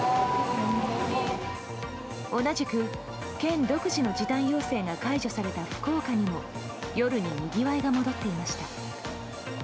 同じく県独自の時短要請が解除された福岡にも夜ににぎわいが戻っていました。